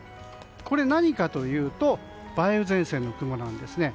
これ何かというと梅雨前線の雲なんですね。